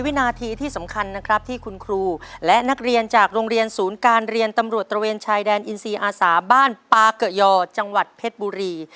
วินาทีที่สำคัญนะครับที่คุณครูและนักเรียนจากโรงเรียนศูนย์การเรียนตำรวจตระเวนชายแดนอินซีอาสาบ้านปาเกะยอจังหวัดเพชรบุรี